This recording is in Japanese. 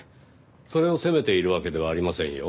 それを責めているわけではありませんよ。